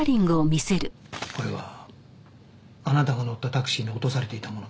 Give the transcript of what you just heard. これはあなたが乗ったタクシーに落とされていたものです。